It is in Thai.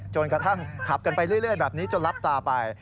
กระทั่งขับกันไปเรื่อยแบบนี้จนรับตาไป